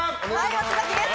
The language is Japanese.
松崎です